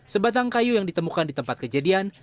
sebatang kayu yang ditemukan di tempat kejadian